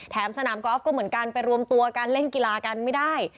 สนามกอล์ฟก็เหมือนกันไปรวมตัวกันเล่นกีฬากันไม่ได้